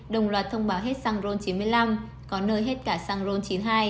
đồng loạt thông báo hết xăng rôn chín mươi năm có nơi hết cả xăng rôn chín mươi hai